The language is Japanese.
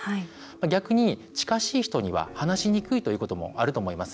逆に近しい人には話しにくいということもあると思います。